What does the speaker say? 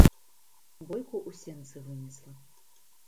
Бойку ў сенцы вынесла.